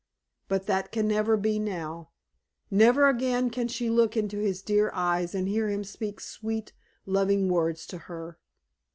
But that can never be now. Never again can she look into his dear eyes and hear him speak sweet, loving words to her.